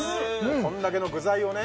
こんだけの具材をね